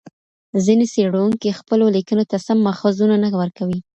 ځیني څېړونکي خپلو لیکنو ته سم ماخذونه نه ورکوي.